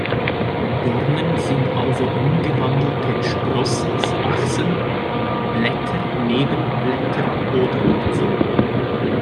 Dornen sind also umgewandelte Sprossachsen, Blätter, Nebenblätter oder Wurzeln.